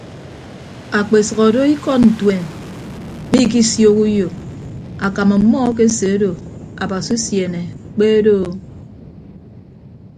Akpesʌk odo ikọd ntuen mmiikisiooho uyo akam ọmmọ akeseedo abasi usiene kpe doo.